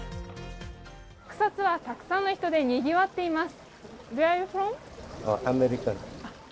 草津はたくさんの人でにぎわっています。